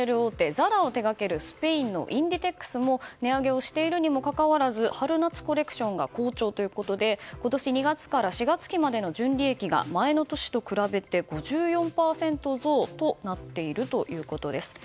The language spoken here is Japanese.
ＺＡＲＡを手掛けるスペインのインディテックスも値上げをしているにもかかわらず春夏コレクションが好調ということで今年２月から４月期までの純利益が前の年と比べて５４％増となっているということです。